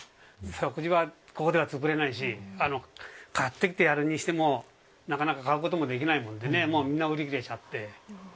食事はここでは作れないし買ってきてやるにしてもなかなか買うこともできないもんでみんな売り切れちゃって。